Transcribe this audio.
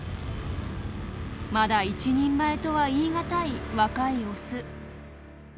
まだ一人前とは言い難い若いオス。